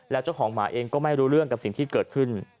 แล้วเจ้าของหมาเองก็ไม่รู้เรื่องกับสิ่งที่เกิดขึ้น